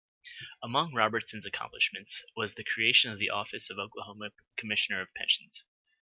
Among Robertson's accomplishments was the creation of the office of Oklahoma Commissioner of Pensions.